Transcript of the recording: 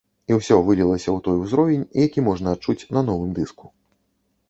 І ўсё вылілася ў той узровень, які можна адчуць на новым дыску.